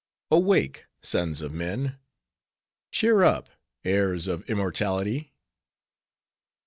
Awake, sons of men! Cheer up, heirs of immortality!